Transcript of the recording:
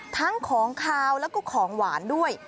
ทั้งของขาวแล้วก็ของหวานด้วย